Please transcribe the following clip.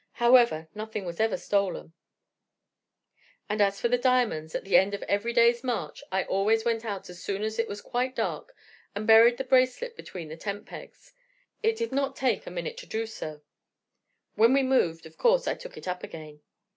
However, nothing was ever stolen, and as for the diamonds, at the end of every day's march I always went out as soon as it was quite dark, and buried the bracelet between the tent pegs; it did not take a minute to do. When we moved, of course, I took it up again.